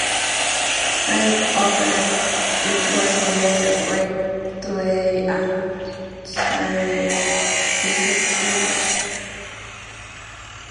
When opened, it was named Witley and Chiddingfold.